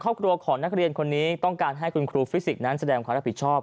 ครอบครัวของนักเรียนคนนี้ต้องการให้คุณครูฟิสิกส์นั้นแสดงความรับผิดชอบ